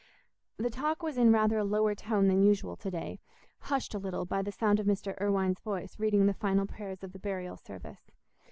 The talk was in rather a lower tone than usual to day, hushed a little by the sound of Mr. Irwine's voice reading the final prayers of the burial service.